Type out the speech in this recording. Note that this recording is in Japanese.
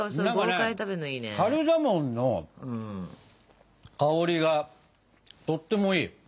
なんかねカルダモンの香りがとってもいい。